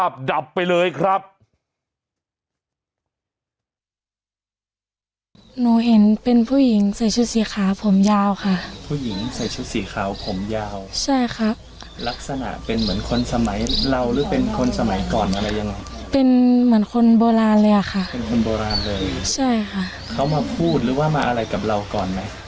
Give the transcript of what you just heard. เขามาพูดหรือว่ามาอะไรกับเราก่อนไหม